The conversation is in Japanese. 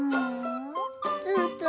ツンツン。